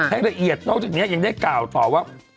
ให้ละเอียดนอกจากนี้ยังได้กล่าวต่อว่า